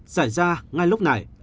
xảy ra ngay lúc này